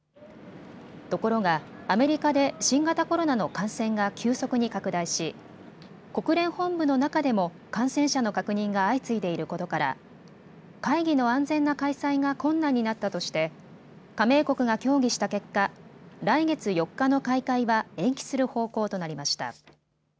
ところがアメリカで新型コロナの感染が急速に拡大し国連本部の中でも感染者の確認が相次いでいることから会議の安全な開催が困難になったとして加盟国が協議した結果、来月４日の開会は延期する方向となりました。